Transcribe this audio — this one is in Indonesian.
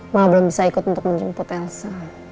malah belum bisa ikut untuk menjemput elsa